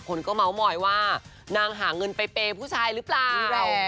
คนก็เมาส์มอยว่านางหาเงินไปเปย์ผู้ชายหรือเปล่า